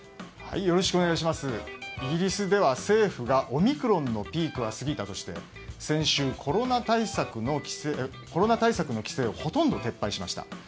イギリスでは政府がオミクロンのピークは過ぎたとして先週、コロナ対策の規制をほとんど撤廃しました。